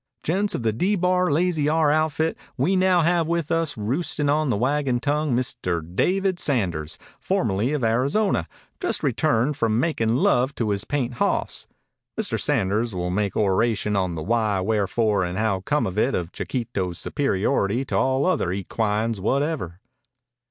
"Gents of the D Bar Lazy R outfit, we now have with us roostin' on the wagon tongue Mr. David Sanders, formerly of Arizona, just returned from makin' love to his paint hoss. Mr. Sanders will make oration on the why, wherefore, and how come it of Chiquito's superiority to all other equines whatever."